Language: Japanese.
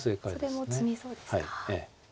それも詰みそうですか。